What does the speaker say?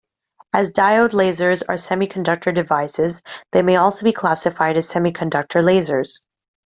As diode lasers are semiconductor devices, they may also be classified as semiconductor lasers.